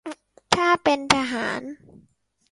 ถ้าเป็นทหาร